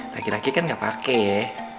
lagi lagi kan gak pake ya